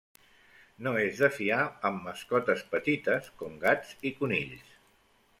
No és de fiar amb mascotes petites com gats i conills.